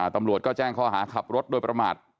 ตำรวจก็แจ้งข้อหาขับรถโดยประมาท